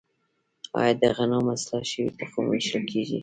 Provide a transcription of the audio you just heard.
آیا د غنمو اصلاح شوی تخم ویشل کیږي؟